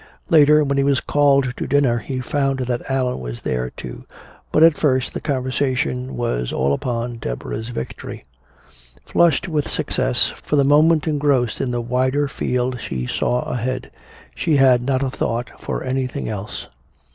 Later, when he was called to dinner, he found that Allan was there, too, but at first the conversation was all upon Deborah's victory. Flushed with success, for the moment engrossed in the wider field she saw ahead, she had not a thought for anything else.